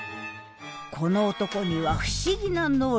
この男には不思議な「能力」が。